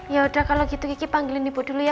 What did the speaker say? ya sudah kalau begitu kiki panggilin ibu dulu ya